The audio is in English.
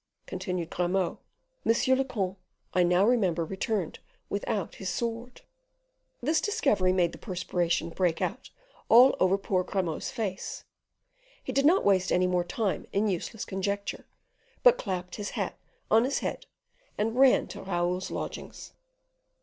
continued Grimaud, "monsieur le comte, I now remember, returned without his sword." This discovery made the perspiration break out all over poor Grimaud's face. He did not waste any more time in useless conjecture, but clapped his hat on his head, and ran to Raoul's lodgings.